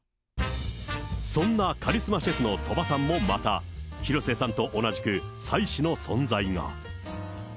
そんなカリスマシェフの鳥羽さんもまた、広末さんと同じく妻子の存在が。